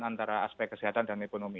antara aspek kesehatan dan ekonomi